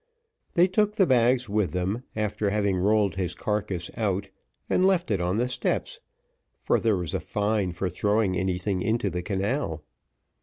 They took the bags with them, after having rolled his carcass out, and left it on the steps, for there was a fine for throwing anything into the canal.